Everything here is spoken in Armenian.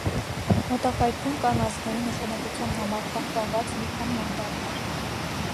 Մոտակայքում կան ազգային նշանակության համար պահպանված մի քանի անտառներ։